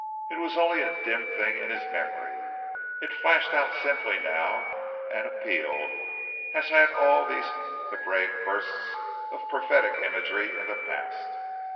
It was only a dim thing in his memory. It flashed out simply now and appealed, as had all these Hebraic bursts of prophetic imagery in the past.